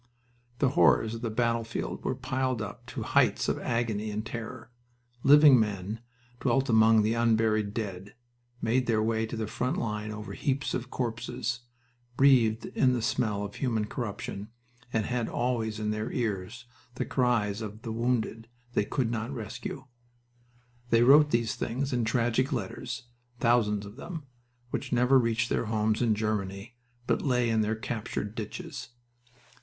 The horrors of the battlefield were piled up to heights of agony and terror. Living men dwelt among the unburied dead, made their way to the front lines over heaps of corpses, breathed in the smell of human corruption and had always in their ears the cries of the wounded they could not rescue. They wrote these things in tragic letters thousands of them which never reached their homes in Germany, but lay in their captured ditches.